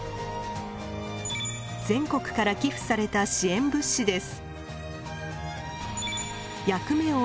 全国から寄付された支援物資です。